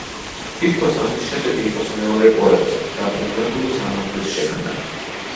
თითქოს ამის შედეგი იყოს მეორე პოემის, „დაბრუნებული სამოთხის“ შექმნა.